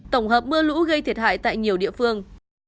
tổng hợp mưa lũ gây thiệt hại tại nhiều địa phương